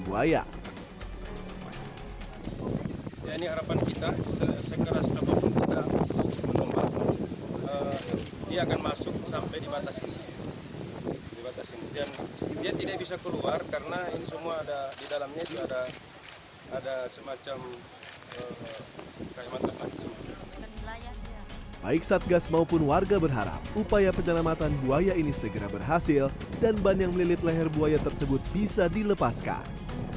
baik satgas maupun warga berharap upaya penyelamatan buaya ini segera berhasil dan ban yang melilit leher buaya tersebut bisa dilepaskan